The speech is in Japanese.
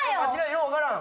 よう分からん。